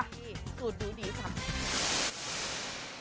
สูตรดูดีค่ะ